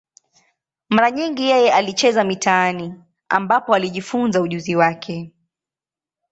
Mara nyingi yeye alicheza mitaani, ambapo alijifunza ujuzi wake.